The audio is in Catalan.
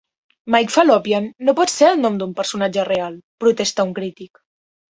"Mike Fallopian no pot ser el nom d'un personatge real", protesta un crític.